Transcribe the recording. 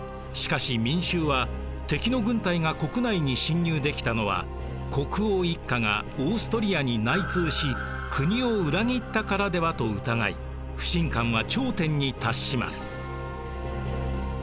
しかし民衆は敵の軍隊が国内に侵入できたのは「国王一家がオーストリアに内通し国を裏切ったからでは」と疑い不信感は頂点に達します。